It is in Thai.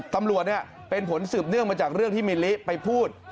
ตำรวจเป็นผลสืบเนื่องมาจากเรื่องที่มิลลิไปพูด